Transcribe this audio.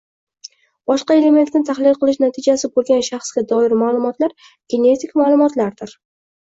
boshqa elementni tahlil qilish natijasi bo‘lgan shaxsga doir ma’lumotlar genetik ma’lumotlardir.